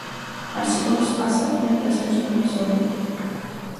არსებობს ასაფრენ-დასაჯდომი ზოლი.